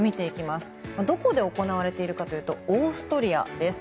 どこで行われているかというとオーストリアです。